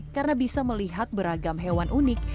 karena bisa melihat beragam hewan unik